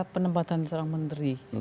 penempatan seorang menteri